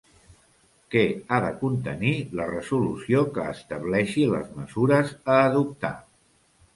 Què ha de contenir la resolució que estableixi les mesures a adoptar?